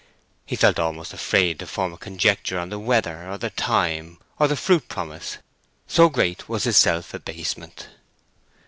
He felt almost afraid to form a conjecture on the weather, or the time, or the fruit promise, so great was his self abasement.